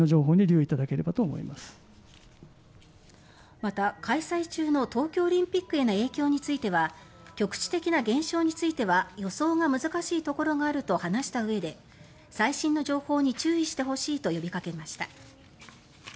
また、開催中の東京オリンピックへの影響については局地的な現象については予想が難しいところがあると話したうえで最新の情報に注意してほしいと呼びかけました。